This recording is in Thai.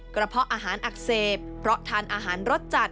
เพาะอาหารอักเสบเพราะทานอาหารรสจัด